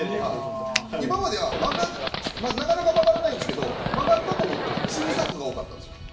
今まではなかなか曲がらないんですが曲がったと思ったら小さくが多かったんです。